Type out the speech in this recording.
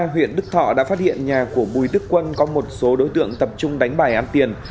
huyện đức thọ đã phát hiện nhà của bùi đức quân có một số đối tượng tập trung đánh bài ăn tiền